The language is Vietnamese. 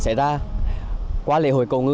xảy ra qua lễ hội cầu ngư